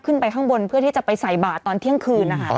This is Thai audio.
ขึ้นไปข้างบนเพื่อที่จะไปใส่บาทตอนเที่ยงคืนนะคะ